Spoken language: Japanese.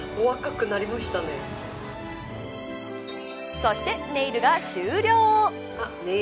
そして、ネイルが終了。